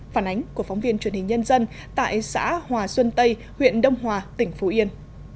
phản ánh của phóng viên truyền hình nhân dân tại xã hòa xuân tây huyện đông hòa tỉnh phú yên